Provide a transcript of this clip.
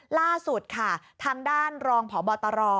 ล่าสุดค่ะทางด้านรองพบตร